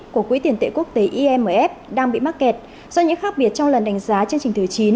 của quỹ tiền tệ quốc tế imf đang bị mắc kẹt do những khác biệt trong lần đánh giá chương trình thứ chín